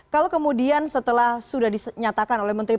kalau kemudian setelah sudah dinyatakan oleh menteri